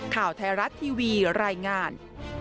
ข่าวไทยรัฐทีวีรายงาน